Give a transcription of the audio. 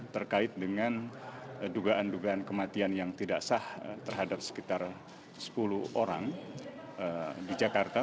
terkait dengan dugaan dugaan kematian yang tidak sah terhadap sekitar sepuluh orang di jakarta